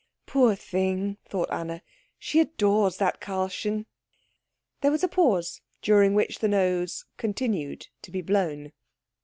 "Poor thing," thought Anna, "she adores that Karlchen." There was a pause, during which the nose continued to be blown.